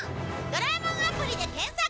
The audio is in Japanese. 「ドラえもんアプリ」で検索！